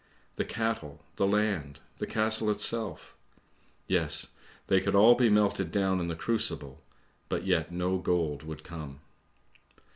The cattle, the land, the castle itself? Yes, they could all be melted down in the crucible, but yet no gold would come.